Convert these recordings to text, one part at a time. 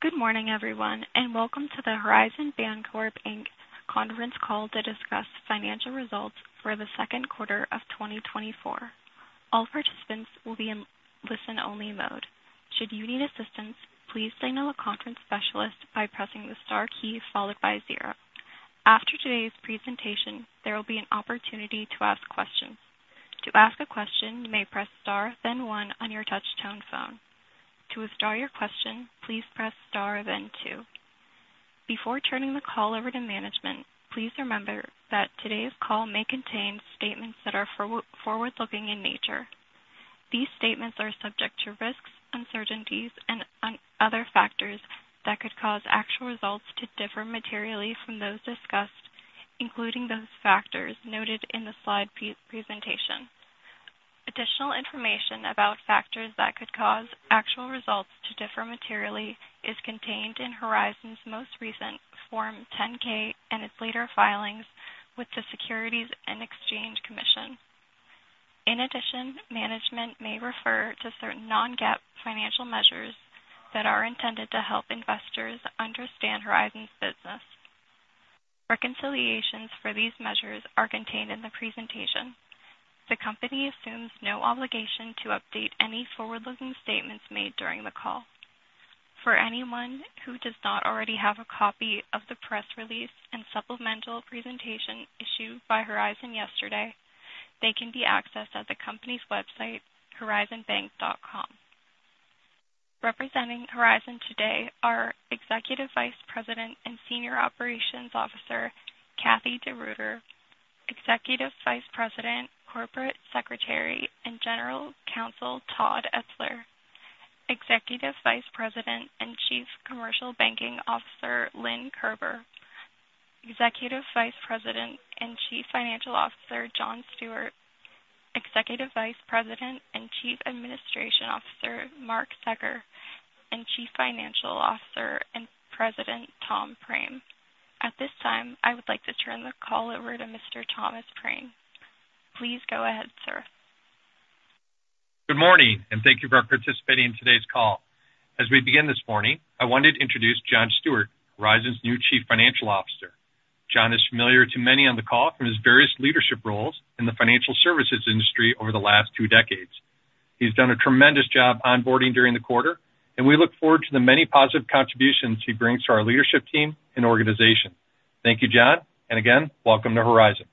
Good morning, everyone, and welcome to the Horizon Bancorp, Inc. conference call to discuss financial results for the second quarter of 2024. All participants will be in listen-only mode. Should you need assistance, please signal a conference specialist by pressing the star key followed by zero. After today's presentation, there will be an opportunity to ask questions. To ask a question, you may press star, then one on your touch-tone phone. To withdraw your question, please press star, then two. Before turning the call over to management, please remember that today's call may contain statements that are forward-looking in nature. These statements are subject to risks, uncertainties, and other factors that could cause actual results to differ materially from those discussed, including those factors noted in the slide presentation. Additional information about factors that could cause actual results to differ materially is contained in Horizon's most recent Form 10-K and its later filings with the Securities and Exchange Commission. In addition, management may refer to certain non-GAAP financial measures that are intended to help investors understand Horizon's business. Reconciliations for these measures are contained in the presentation. The company assumes no obligation to update any forward-looking statements made during the call. For anyone who does not already have a copy of the press release and supplemental presentation issued by Horizon yesterday, they can be accessed at the company's website, horizonbank.com. Representing Horizon today are Executive Vice President and Senior Operations Officer, Kathie DeRuiter, Executive Vice President, Corporate Secretary, and General Counsel, Todd Etzler, Executive Vice President and Chief Commercial Banking Officer, Lynn Kerber, Executive Vice President and Chief Financial Officer, John Stewart, Executive Vice President and Chief Administrative Officer, Mark Secor, and Chief Executive Officer and President, Thomas Prame. At this time, I would like to turn the call over to Mr. Thomas Prame. Please go ahead, sir. Good morning, and thank you for participating in today's call. As we begin this morning, I wanted to introduce John Stewart, Horizon's new Chief Financial Officer. John is familiar to many on the call from his various leadership roles in the financial services industry over the last two decades. He's done a tremendous job onboarding during the quarter, and we look forward to the many positive contributions he brings to our leadership team and organization. Thank you, John, and again, welcome to Horizon.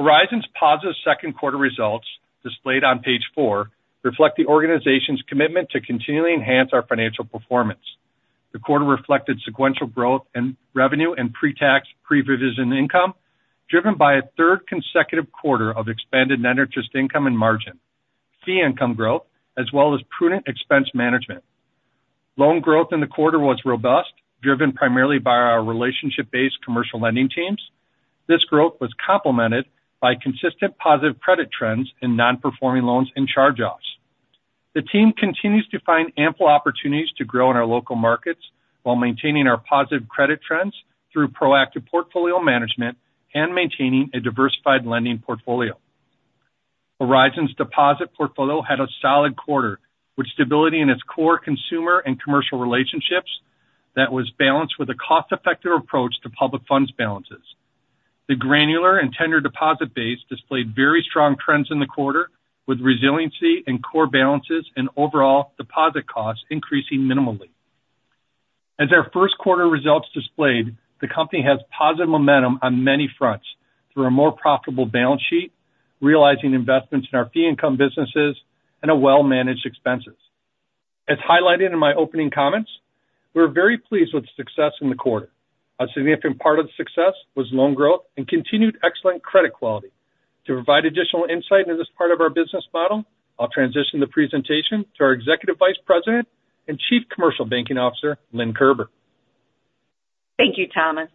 Horizon's positive second quarter results, displayed on page four, reflect the organization's commitment to continually enhance our financial performance. The quarter reflected sequential growth in revenue and pre-tax pre-provision income, driven by a third consecutive quarter of expanded net interest income and margin, fee income growth, as well as prudent expense management. Loan growth in the quarter was robust, driven primarily by our relationship-based commercial lending teams. This growth was complemented by consistent positive credit trends in non-performing loans and charge-offs. The team continues to find ample opportunities to grow in our local markets while maintaining our positive credit trends through proactive portfolio management and maintaining a diversified lending portfolio. Horizon's deposit portfolio had a solid quarter with stability in its core consumer and commercial relationships that was balanced with a cost-effective approach to public funds balances. The granular and tenured deposit base displayed very strong trends in the quarter, with resiliency in core balances and overall deposit costs increasing minimally. As our first quarter results displayed, the company has positive momentum on many fronts through a more profitable balance sheet, realizing investments in our fee income businesses, and well-managed expenses. As highlighted in my opening comments, we're very pleased with the success in the quarter. A significant part of the success was loan growth and continued excellent credit quality. To provide additional insight into this part of our business model, I'll transition the presentation to our Executive Vice President and Chief Commercial Banking Officer, Lynn Kerber. Thank you, Thomas.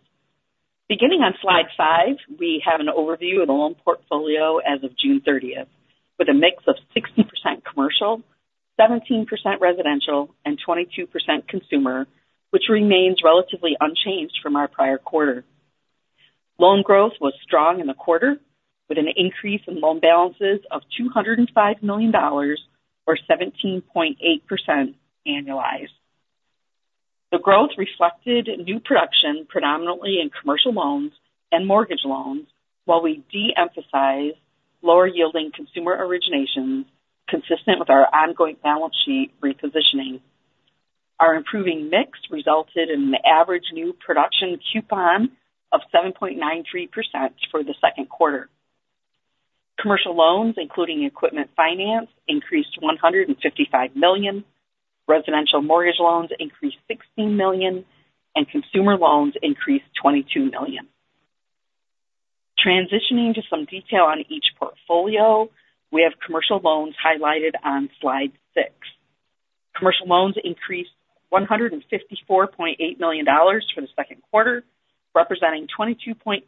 Beginning on slide five, we have an overview of the loan portfolio as of June 30th, with a mix of 60% commercial, 17% residential, and 22% consumer, which remains relatively unchanged from our prior quarter. Loan growth was strong in the quarter, with an increase in loan balances of $205 million, or 17.8% annualized. The growth reflected new production predominantly in commercial loans and mortgage loans, while we de-emphasized lower-yielding consumer originations consistent with our ongoing balance sheet repositioning. Our improving mix resulted in an average new production coupon of 7.93% for the second quarter. Commercial loans, including equipment finance, increased $155 million. Residential mortgage loans increased $16 million, and consumer loans increased $22 million. Transitioning to some detail on each portfolio, we have commercial loans highlighted on slide six. Commercial loans increased $154.8 million for the second quarter, representing 22.6%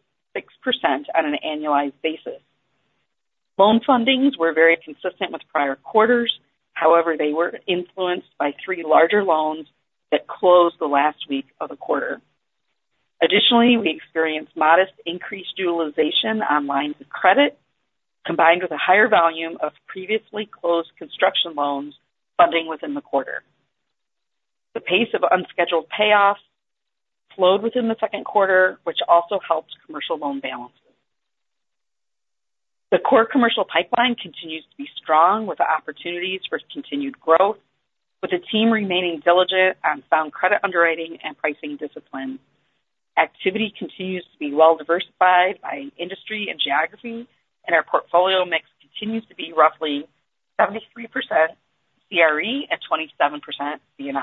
on an annualized basis. Loan fundings were very consistent with prior quarters. However, they were influenced by three larger loans that closed the last week of the quarter. Additionally, we experienced modest increased utilization on lines of credit, combined with a higher volume of previously closed construction loans funding within the quarter. The pace of unscheduled payoffs slowed within the second quarter, which also helped commercial loan balances. The core commercial pipeline continues to be strong, with opportunities for continued growth, with the team remaining diligent on sound credit underwriting and pricing discipline. Activity continues to be well-diversified by industry and geography, and our portfolio mix continues to be roughly 73% CRE and 27% C&I.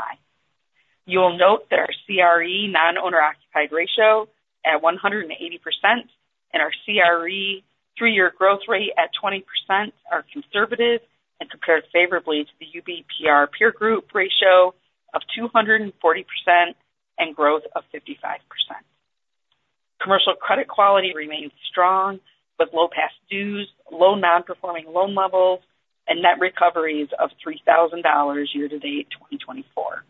You will note that our CRE non-owner-occupied ratio at 180% and our CRE three-year growth rate at 20% are conservative and compared favorably to the UBPR peer group ratio of 240% and growth of 55%. Commercial credit quality remains strong, with low past dues, low non-performing loan levels, and net recoveries of $3,000 year-to-date 2024.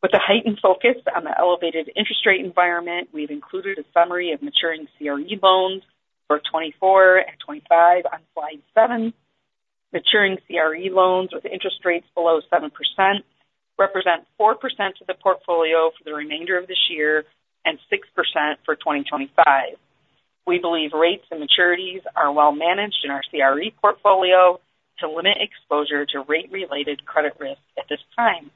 With a heightened focus on the elevated interest rate environment, we've included a summary of maturing CRE loans for 2024 and 2025 on slide seven. Maturing CRE loans with interest rates below 7% represent 4% of the portfolio for the remainder of this year and 6% for 2025. We believe rates and maturities are well-managed in our CRE portfolio to limit exposure to rate-related credit risk at this time.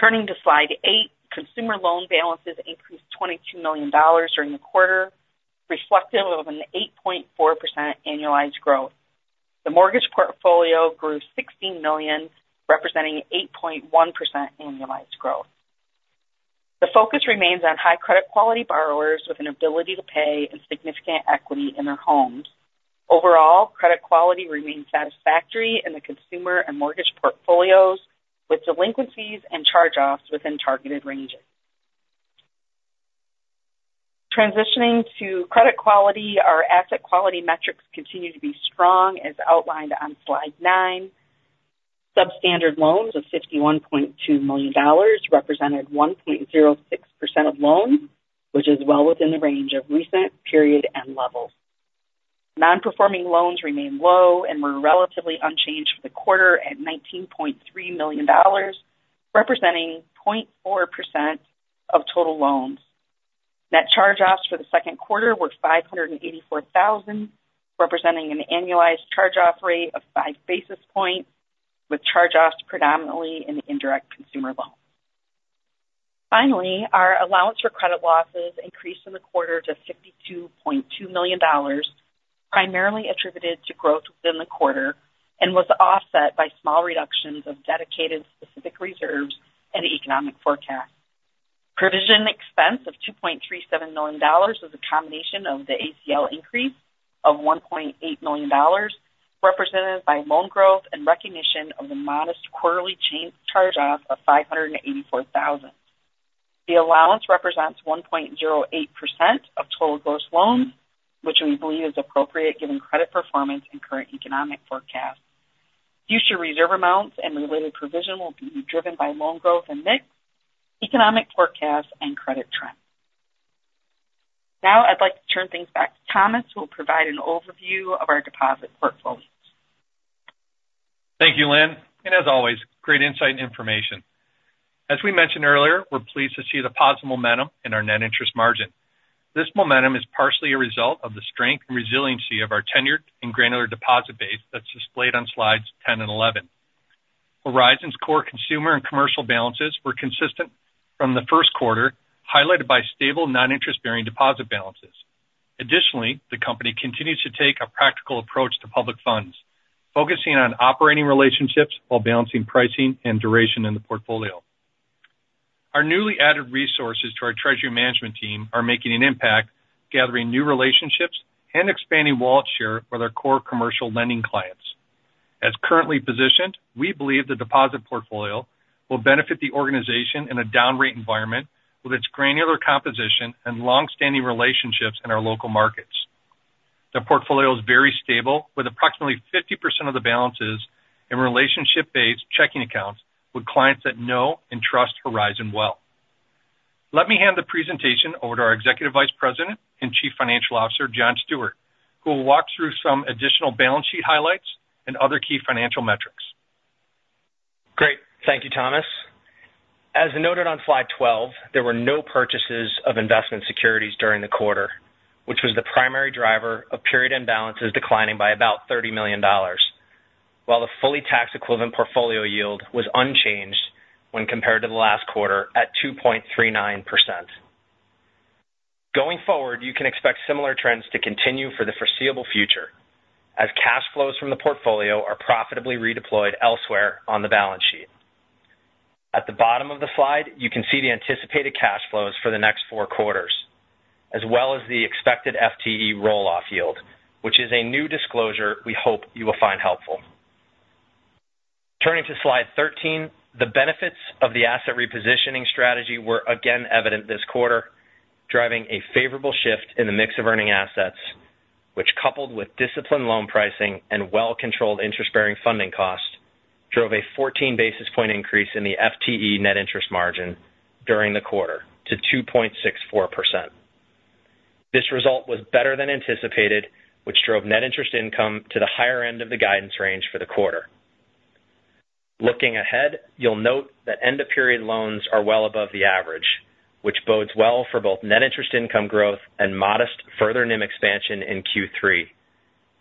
Turning to slide eight, consumer loan balances increased $22 million during the quarter, reflective of an 8.4% annualized growth. The mortgage portfolio grew $16 million, representing 8.1% annualized growth. The focus remains on high credit-quality borrowers with an ability to pay and significant equity in their homes. Overall, credit quality remains satisfactory in the consumer and mortgage portfolios, with delinquencies and charge-offs within targeted ranges. Transitioning to credit quality, our asset quality metrics continue to be strong, as outlined on slide nine. Substandard loans of $51.2 million represented 1.06% of loans, which is well within the range of recent period and levels. Non-performing loans remained low and were relatively unchanged for the quarter at $19.3 million, representing 0.4% of total loans. Net charge-offs for the second quarter were $584,000, representing an annualized charge-off rate of 5 basis points, with charge-offs predominantly in indirect consumer loans. Finally, our allowance for credit losses increased in the quarter to $52.2 million, primarily attributed to growth within the quarter, and was offset by small reductions of dedicated specific reserves and economic forecasts. Provision expense of $2.37 million was a combination of the ACL increase of $1.8 million, represented by loan growth and recognition of the modest quarterly charge-off of $584,000. The allowance represents 1.08% of total gross loans, which we believe is appropriate given credit performance and current economic forecasts. Future reserve amounts and related provision will be driven by loan growth and mix, economic forecasts, and credit trends. Now, I'd like to turn things back to Thomas, who will provide an overview of our deposit portfolio. Thank you, Lynn. As always, great insight and information. As we mentioned earlier, we're pleased to see the positive momentum in our net interest margin. This momentum is partially a result of the strength and resiliency of our tenured and granular deposit base that's displayed on slides 10 and 11. Horizon's core consumer and commercial balances were consistent from the first quarter, highlighted by stable non-interest-bearing deposit balances. Additionally, the company continues to take a practical approach to public funds, focusing on operating relationships while balancing pricing and duration in the portfolio. Our newly added resources to our treasury management team are making an impact, gathering new relationships and expanding wallet share with our core commercial lending clients. As currently positioned, we believe the deposit portfolio will benefit the organization in a down-rate environment with its granular composition and long-standing relationships in our local markets. The portfolio is very stable, with approximately 50% of the balances in relationship-based checking accounts with clients that know and trust Horizon well. Let me hand the presentation over to our Executive Vice President and Chief Financial Officer, John Stewart, who will walk through some additional balance sheet highlights and other key financial metrics. Great. Thank you, Thomas. As noted on slide 12, there were no purchases of investment securities during the quarter, which was the primary driver of period-end balances declining by about $30 million, while the fully tax-equivalent portfolio yield was unchanged when compared to the last quarter at 2.39%. Going forward, you can expect similar trends to continue for the foreseeable future, as cash flows from the portfolio are profitably redeployed elsewhere on the balance sheet. At the bottom of the slide, you can see the anticipated cash flows for the next four quarters, as well as the expected FTE rolloff yield, which is a new disclosure we hope you will find helpful. Turning to slide 13, the benefits of the asset repositioning strategy were again evident this quarter, driving a favorable shift in the mix of earning assets, which, coupled with disciplined loan pricing and well-controlled interest-bearing funding costs, drove a 14 basis point increase in the FTE net interest margin during the quarter to 2.64%. This result was better than anticipated, which drove net interest income to the higher end of the guidance range for the quarter. Looking ahead, you'll note that end-of-period loans are well above the average, which bodes well for both net interest income growth and modest further NIM expansion in Q3,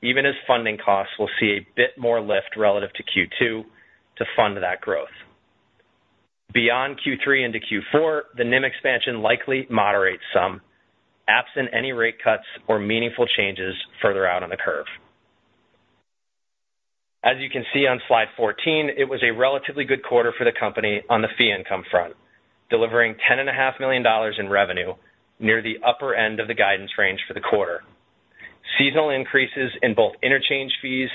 even as funding costs will see a bit more lift relative to Q2 to fund that growth. Beyond Q3 into Q4, the NIM expansion likely moderates some, absent any rate cuts or meaningful changes further out on the curve. As you can see on slide 14, it was a relatively good quarter for the company on the fee income front, delivering $10.5 million in revenue, near the upper end of the guidance range for the quarter. Seasonal increases in both interchange fees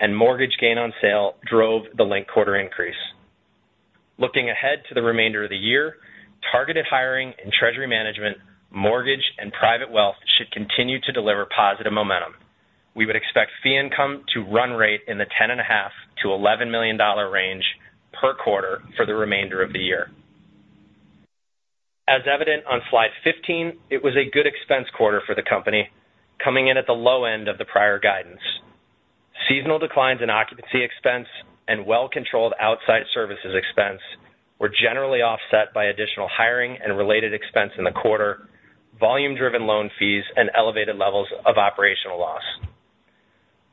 and mortgage gain on sale drove the linked quarter increase. Looking ahead to the remainder of the year, targeted hiring and treasury management, mortgage, and private wealth should continue to deliver positive momentum. We would expect fee income to run rate in the $10.5 million-$11 million range per quarter for the remainder of the year. As evident on slide 15, it was a good expense quarter for the company, coming in at the low end of the prior guidance. Seasonal declines in occupancy expense and well-controlled outside services expense were generally offset by additional hiring and related expense in the quarter, volume-driven loan fees, and elevated levels of operational loss.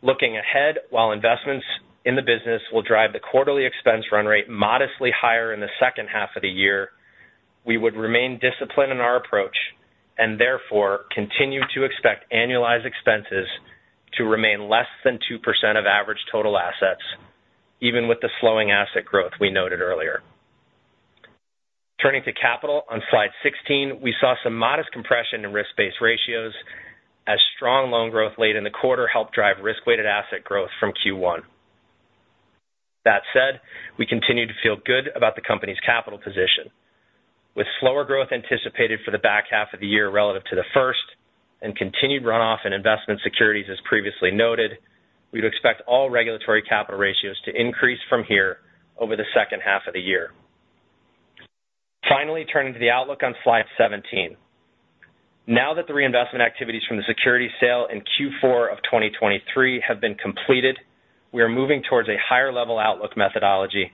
Looking ahead, while investments in the business will drive the quarterly expense run rate modestly higher in the second half of the year, we would remain disciplined in our approach and therefore continue to expect annualized expenses to remain less than 2% of average total assets, even with the slowing asset growth we noted earlier. Turning to capital on slide 16, we saw some modest compression in risk-based ratios as strong loan growth late in the quarter helped drive risk-weighted asset growth from Q1. That said, we continue to feel good about the company's capital position. With slower growth anticipated for the back half of the year relative to the first and continued runoff in investment securities as previously noted, we would expect all regulatory capital ratios to increase from here over the second half of the year. Finally, turning to the outlook on slide 17. Now that the reinvestment activities from the security sale in Q4 of 2023 have been completed, we are moving towards a higher-level outlook methodology,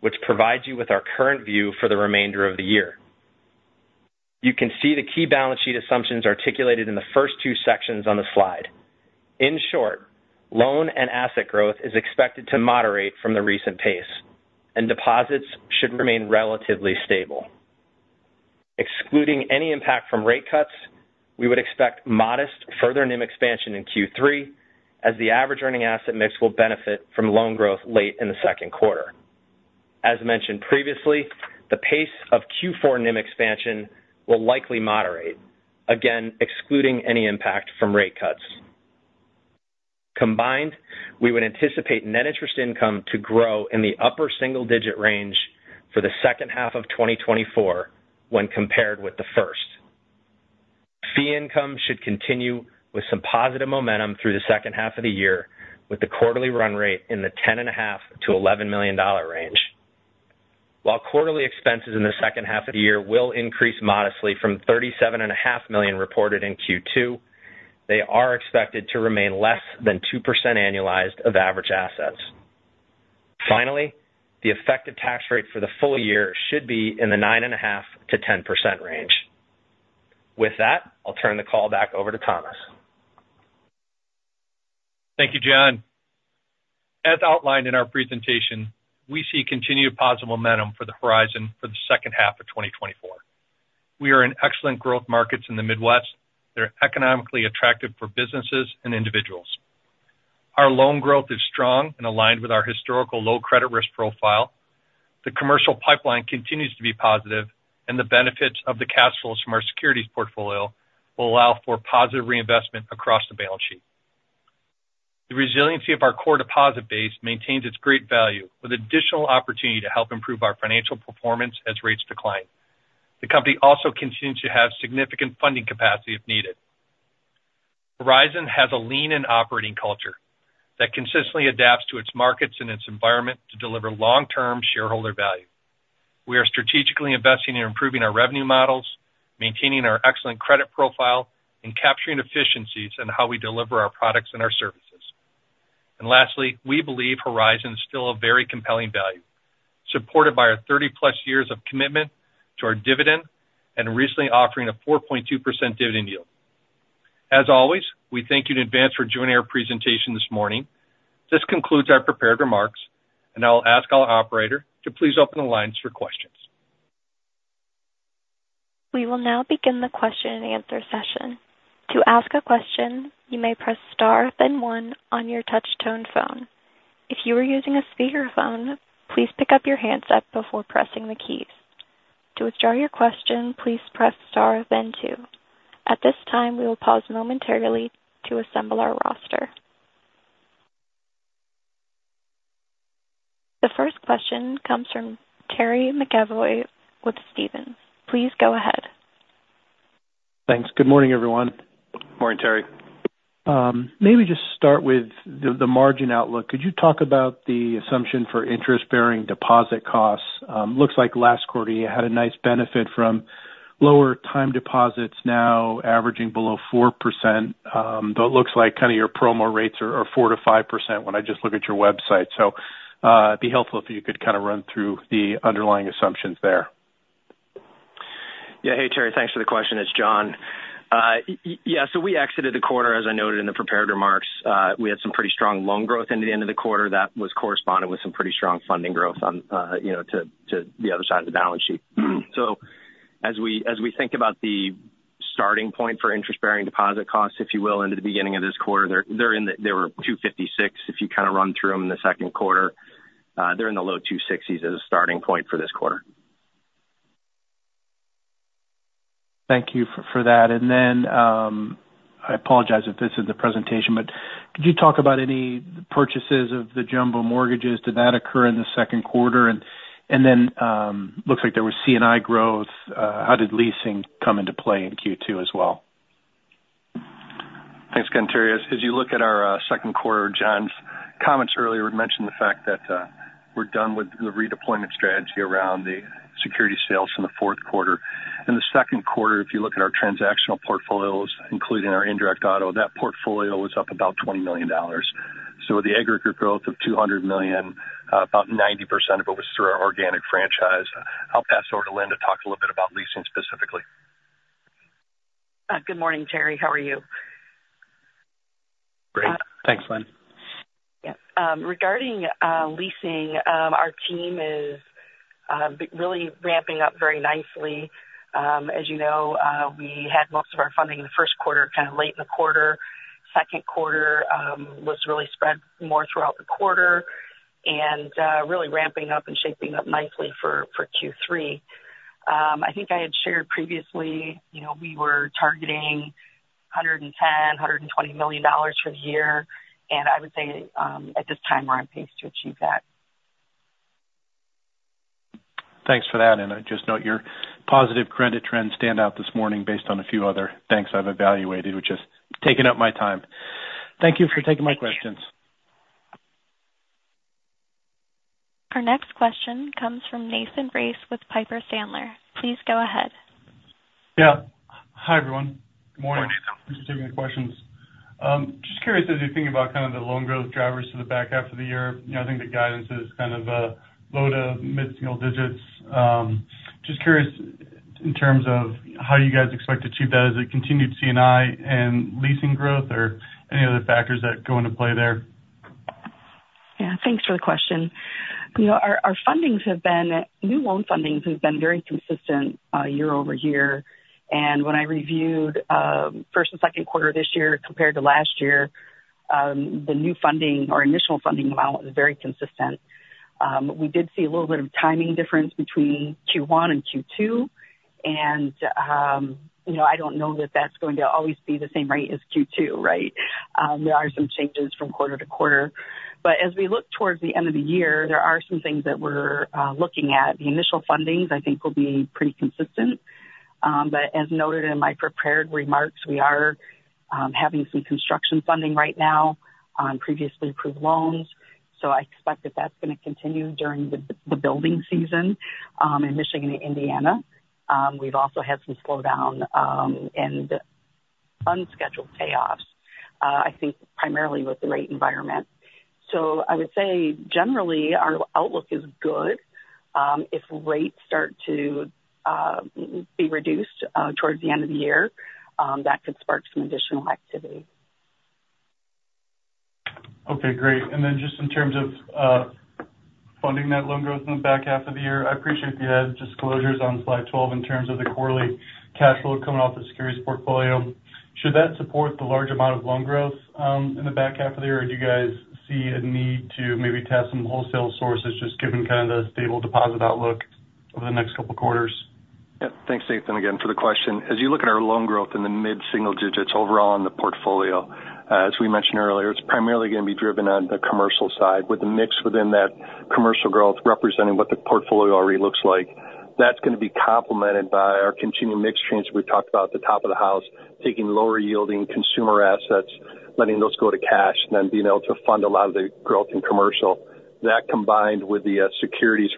which provides you with our current view for the remainder of the year. You can see the key balance sheet assumptions articulated in the first two sections on the slide. In short, loan and asset growth is expected to moderate from the recent pace, and deposits should remain relatively stable. Excluding any impact from rate cuts, we would expect modest further NIM expansion in Q3, as the average earning asset mix will benefit from loan growth late in the second quarter. As mentioned previously, the pace of Q4 NIM expansion will likely moderate, again excluding any impact from rate cuts. Combined, we would anticipate net interest income to grow in the upper single-digit range for the second half of 2024 when compared with the first. Fee income should continue with some positive momentum through the second half of the year, with the quarterly run rate in the $10.5 million-$11 million range. While quarterly expenses in the second half of the year will increase modestly from $37.5 million reported in Q2, they are expected to remain less than 2% annualized of average assets. Finally, the effective tax rate for the full-year should be in the 9.5%-10% range. With that, I'll turn the call back over to Thomas. Thank you, John. As outlined in our presentation, we see continued positive momentum for the Horizon for the second half of 2024. We are in excellent growth markets in the Midwest that are economically attractive for businesses and individuals. Our loan growth is strong and aligned with our historical low credit risk profile. The commercial pipeline continues to be positive, and the benefits of the cash flows from our securities portfolio will allow for positive reinvestment across the balance sheet. The resiliency of our core deposit base maintains its great value, with additional opportunity to help improve our financial performance as rates decline. The company also continues to have significant funding capacity if needed. Horizon has a lean and operating culture that consistently adapts to its markets and its environment to deliver long-term shareholder value. We are strategically investing in improving our revenue models, maintaining our excellent credit profile, and capturing efficiencies in how we deliver our products and our services. And lastly, we believe Horizon is still a very compelling value, supported by our 30+ years of commitment to our dividend and recently offering a 4.2% dividend yield. As always, we thank you in advance for joining our presentation this morning. This concludes our prepared remarks, and I'll ask our operator to please open the lines for questions. We will now begin the question-and-answer session. To ask a question, you may press star then one on your touch-tone phone. If you are using a speakerphone, please pick up your handset before pressing the keys. To withdraw your question, please press star then two. At this time, we will pause momentarily to assemble our roster. The first question comes from Terry McEvoy with Stephens. Please go ahead. Thanks. Good morning, everyone. Morning, Terry. Maybe just start with the margin outlook. Could you talk about the assumption for interest-bearing deposit costs? Looks like last quarter you had a nice benefit from lower time deposits now averaging below 4%, though it looks like kind of your promo rates are 4%-5% when I just look at your website. So it'd be helpful if you could kind of run through the underlying assumptions there. Yeah. Hey, Terry. Thanks for the question. It's John. Yeah. So we exited the quarter, as I noted in the prepared remarks. We had some pretty strong loan growth into the end of the quarter that was corresponding with some pretty strong funding growth to the other side of the balance sheet. So as we think about the starting point for interest-bearing deposit costs, if you will, into the beginning of this quarter, they were 2.56% if you kind of run through them in the second quarter. They're in the low 2.60% as a starting point for this quarter. Thank you for that. And then I apologize if this is the presentation, but could you talk about any purchases of the jumbo mortgages? Did that occur in the second quarter? And then it looks like there was C&I growth. How did leasing come into play in Q2 as well? Thanks again, Terry. As you look at our second quarter, John's comments earlier would mention the fact that we're done with the redeployment strategy around the security sales in the fourth quarter. In the second quarter, if you look at our transactional portfolios, including our indirect auto, that portfolio was up about $20 million. So with the aggregate growth of $200 million, about 90% of it was through our organic franchise. I'll pass over to Lynn to talk a little bit about leasing specifically. Good morning, Terry. How are you? Great. Thanks, Lynn. Yeah. Regarding leasing, our team is really ramping up very nicely. As you know, we had most of our funding in the first quarter, kind of late in the quarter. Second quarter was really spread more throughout the quarter and really ramping up and shaping up nicely for Q3. I think I had shared previously we were targeting $110 million-$120 million for the year, and I would say at this time we're on pace to achieve that. Thanks for that. I just note your positive credit trends stand out this morning based on a few other things I've evaluated, which is taking up my time. Thank you for taking my questions. Our next question comes from Nathan Race with Piper Sandler. Please go ahead. Yeah. Hi, everyone. Good morning. Thanks for taking the questions. Just curious, as you're thinking about kind of the loan growth drivers for the back half of the year, I think the guidance is kind of low to mid-single digits. Just curious in terms of how you guys expect to achieve that. Is it continued C&I and leasing growth or any other factors that go into play there? Yeah. Thanks for the question. Our fundings have been new loan fundings have been very consistent year-over-year. And when I reviewed first and second quarter this year compared to last year, the new funding or initial funding amount was very consistent. We did see a little bit of timing difference between Q1 and Q2, and I don't know that that's going to always be the same rate as Q2, right? There are some changes from quarter-to-quarter. But as we look towards the end of the year, there are some things that we're looking at. The initial fundings, I think, will be pretty consistent. But as noted in my prepared remarks, we are having some construction funding right now on previously approved loans. So I expect that that's going to continue during the building season in Michigan and Indiana. We've also had some slowdown and unscheduled payoffs, I think, primarily with the rate environment. So I would say, generally, our outlook is good. If rates start to be reduced towards the end of the year, that could spark some additional activity. Okay. Great. And then just in terms of funding that loan growth in the back half of the year, I appreciate the disclosures on slide 12 in terms of the quarterly cash flow coming off the securities portfolio. Should that support the large amount of loan growth in the back half of the year, or do you guys see a need to maybe tap some wholesale sources just given kind of the stable deposit outlook over the next couple of quarters? Yep. Thanks, Nathan, again for the question. As you look at our loan growth in the mid-single digits overall in the portfolio, as we mentioned earlier, it's primarily going to be driven on the commercial side with a mix within that commercial growth representing what the portfolio already looks like. That's going to be complemented by our continued mixed trades that we talked about at the top of the house, taking lower-yielding consumer assets, letting those go to cash, and then being able to fund a lot of the growth in commercial. That combined with the securities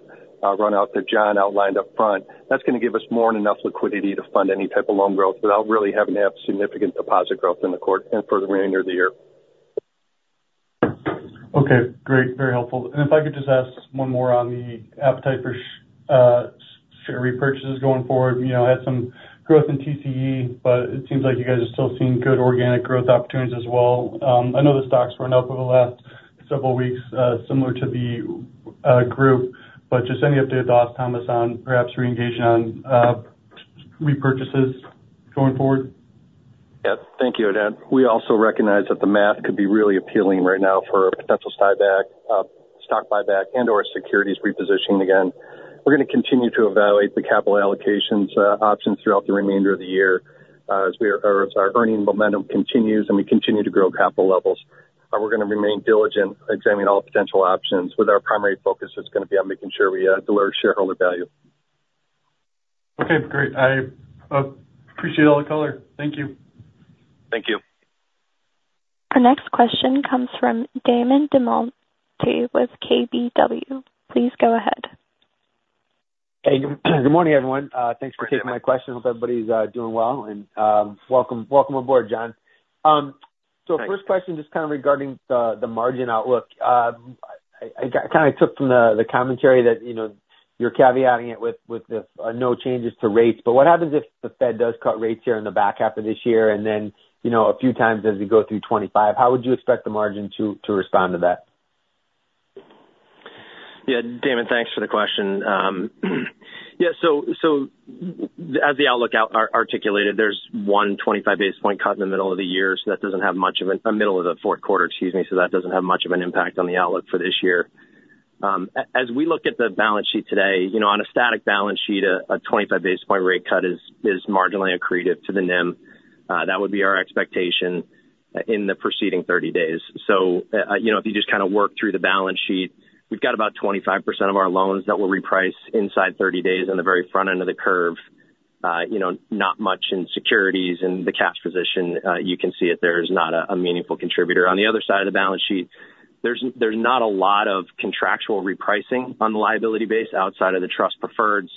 runout that John outlined upfront, that's going to give us more than enough liquidity to fund any type of loan growth without really having to have significant deposit growth in the quarter and for the remainder of the year. Okay. Great. Very helpful. And if I could just ask one more on the appetite for share repurchases going forward. I had some growth in TCE, but it seems like you guys are still seeing good organic growth opportunities as well. I know the stocks were up over the last several weeks, similar to the group, but just any update at the last, Thomas, on perhaps re-engaging on repurchases going forward? Yep. Thank you, again. We also recognize that the math could be really appealing right now for a potential stock buyback and/or securities repositioning again. We're going to continue to evaluate the capital allocations options throughout the remainder of the year as our earning momentum continues and we continue to grow capital levels. We're going to remain diligent examining all potential options with our primary focus that's going to be on making sure we deliver shareholder value. Okay. Great. I appreciate all the color. Thank you. Thank you. The next question comes from Damon DelMonte with KBW. Please go ahead. Hey. Good morning, everyone. Thanks for taking my question. I hope everybody's doing well. And welcome aboard, John. So first question, just kind of regarding the margin outlook. I kind of took from the commentary that you're caveating it with no changes to rates. But what happens if the Fed does cut rates here in the back half of this year and then a few times as we go through 2025? How would you expect the margin to respond to that? Yeah. Damon, thanks for the question. Yeah. So as the outlook articulated, there's one 25 basis point cut in the middle of the year, so that doesn't have much of a middle of the fourth quarter, excuse me. So that doesn't have much of an impact on the outlook for this year. As we look at the balance sheet today, on a static balance sheet, a 25 basis point rate cut is marginally accretive to the NIM. That would be our expectation in the preceding 30 days. So if you just kind of work through the balance sheet, we've got about 25% of our loans that will reprice inside 30 days on the very front end of the curve. Not much in securities. In the cash position, you can see that there's not a meaningful contributor. On the other side of the balance sheet, there's not a lot of contractual repricing on the liability base outside of the trust preferreds.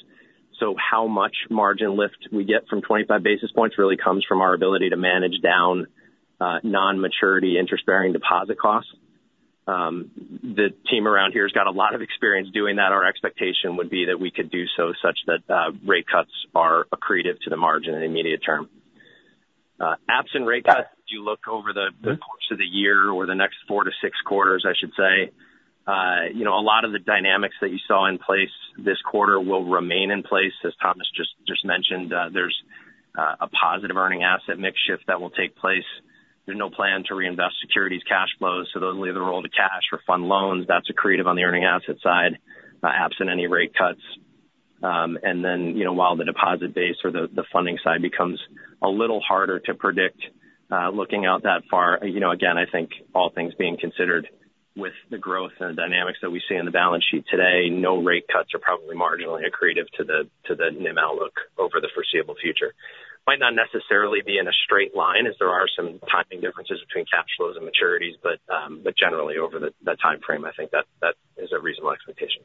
So how much margin lift we get from 25 basis points really comes from our ability to manage down non-maturity interest-bearing deposit costs. The team around here has got a lot of experience doing that. Our expectation would be that we could do so such that rate cuts are accretive to the margin in the immediate term. Absent rate cuts, if you look over the course of the year or the next four to six quarters, I should say, a lot of the dynamics that you saw in place this quarter will remain in place. As Thomas just mentioned, there's a positive earning asset mix shift that will take place. There's no plan to reinvest securities cash flows. Those will either roll to cash or fund loans. That's accretive on the earning asset side, absent any rate cuts. Then while the deposit base or the funding side becomes a little harder to predict looking out that far, again, I think all things being considered with the growth and the dynamics that we see in the balance sheet today, no rate cuts are probably marginally accretive to the NIM outlook over the foreseeable future. Might not necessarily be in a straight line as there are some timing differences between cash flows and maturities, but generally, over that time frame, I think that is a reasonable expectation.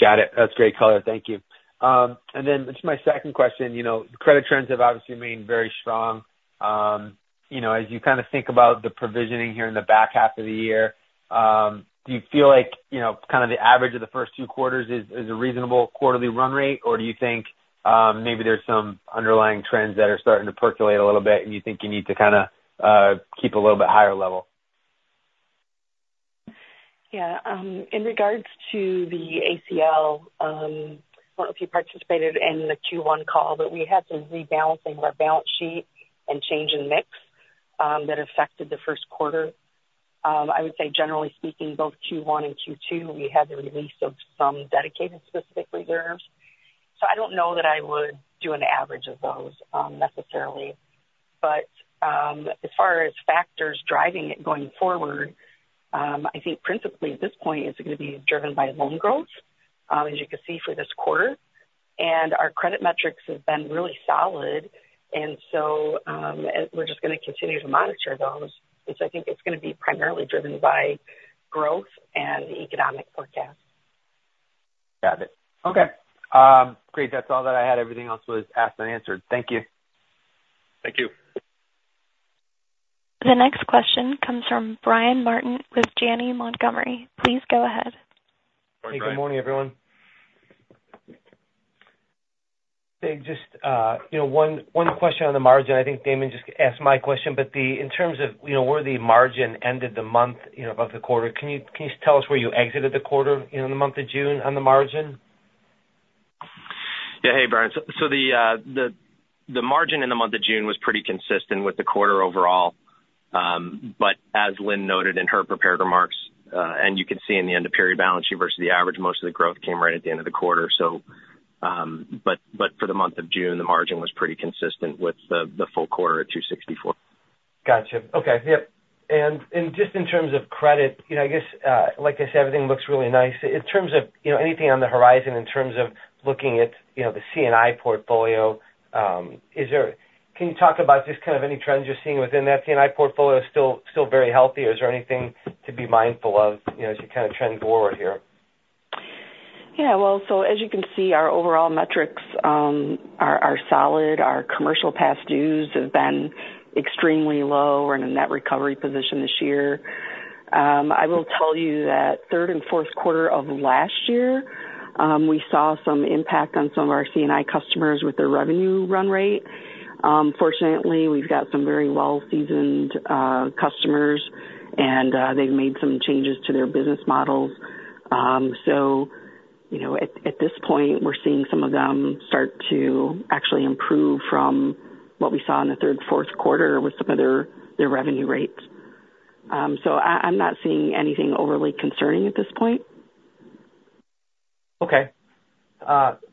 Got it. That's great color. Thank you. And then to my second question, credit trends have obviously remained very strong. As you kind of think about the provisioning here in the back half of the year, do you feel like kind of the average of the first two quarters is a reasonable quarterly run rate, or do you think maybe there's some underlying trends that are starting to percolate a little bit and you think you need to kind of keep a little bit higher level? Yeah. In regards to the ACL, I don't know if you participated in the Q1 call, but we had some rebalancing of our balance sheet and change in mix that affected the first quarter. I would say, generally speaking, both Q1 and Q2, we had the release of some dedicated specific reserves. So I don't know that I would do an average of those necessarily. But as far as factors driving it going forward, I think principally at this point, it's going to be driven by loan growth, as you can see for this quarter. And our credit metrics have been really solid, and so we're just going to continue to monitor those. And so I think it's going to be primarily driven by growth and the economic forecast. Got it. Okay. Great. That's all that I had. Everything else was asked and answered. Thank you. Thank you. The next question comes from Brian Martin with Janney Montgomery. Please go ahead. Hey. Good morning, everyone. Hey. Just one question on the margin. I think Damon just asked my question, but in terms of where the margin ended the month of the quarter, can you tell us where you exited the quarter in the month of June on the margin? Yeah. Hey, Brian. So the margin in the month of June was pretty consistent with the quarter overall. But as Lynn noted in her prepared remarks, and you can see in the end-of-period balance sheet versus the average, most of the growth came right at the end of the quarter. But for the month of June, the margin was pretty consistent with the full quarter at 2.64%. Gotcha. Okay. Yep. And just in terms of credit, I guess, like I said, everything looks really nice. In terms of anything on the horizon, in terms of looking at the C&I portfolio, can you talk about just kind of any trends you're seeing within that C&I portfolio? Still very healthy? Is there anything to be mindful of as you kind of trend forward here? Yeah. Well, so as you can see, our overall metrics are solid. Our commercial past dues have been extremely low. We're in a net recovery position this year. I will tell you that third and fourth quarter of last year, we saw some impact on some of our C&I customers with their revenue run rate. Fortunately, we've got some very well-seasoned customers, and they've made some changes to their business models. So at this point, we're seeing some of them start to actually improve from what we saw in the third and fourth quarter with some of their revenue rates. So I'm not seeing anything overly concerning at this point. Okay.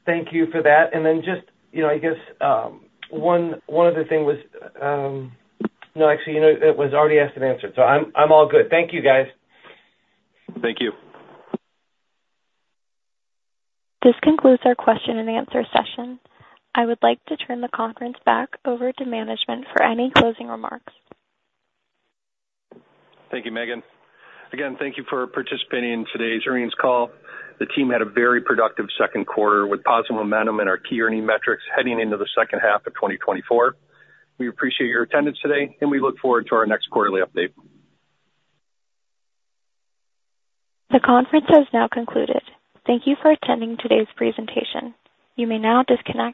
Thank you for that. And then just, I guess, one other thing was no, actually, it was already asked and answered. So I'm all good. Thank you, guys. Thank you. This concludes our question-and-answer session. I would like to turn the conference back over to management for any closing remarks. Thank you, Megan. Again, thank you for participating in today's earnings call. The team had a very productive second quarter with positive momentum in our key earning metrics heading into the second half of 2024. We appreciate your attendance today, and we look forward to our next quarterly update. The conference has now concluded. Thank you for attending today's presentation. You may now disconnect.